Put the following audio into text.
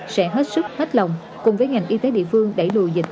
sẽ hết sức hết lòng cùng với ngành y tế địa phương đẩy lùi dịch